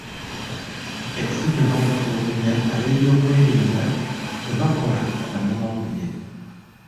Effujjo n’okutulugunya ab’ebyokwerinda kwe bakola ku bannamawulire.